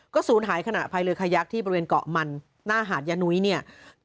ศูนย์หายขณะพายเรือขยักที่บริเวณเกาะมันหน้าหาดยานุ้ยเนี่ย